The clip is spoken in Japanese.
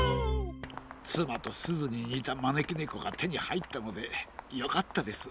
つまとすずににたまねきねこがてにはいったのでよかったです。